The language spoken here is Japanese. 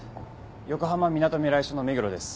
横浜みなとみらい署の目黒です。